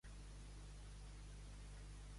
Va estar en bones relacions amb Northúmbria.